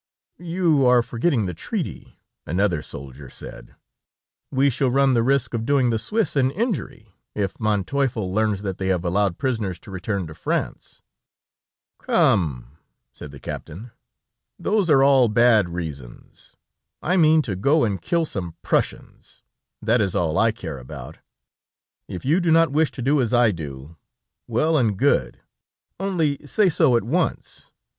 "You are forgetting the treaty," another soldier said; "we shall run the risk of doing the Swiss an injury, if Manteuffel learns that they have allowed prisoners to return to France." "Come," said the captain, "those are all bad reasons. I mean to go and kill some Prussians; that is all I care about. If you do not wish to do as I do, well and good; only say so at once.